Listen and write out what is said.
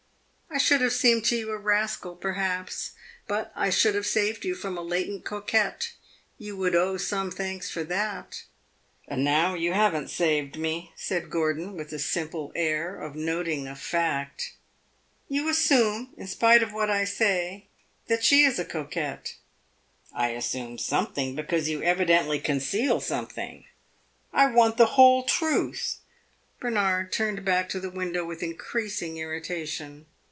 "I should have seemed to you a rascal, perhaps, but I should have saved you from a latent coquette. You would owe some thanks for that." "And now you have n't saved me," said Gordon, with a simple air of noting a fact. "You assume in spite of what I say that she is a coquette!" "I assume something because you evidently conceal something. I want the whole truth." Bernard turned back to the window with increasing irritation.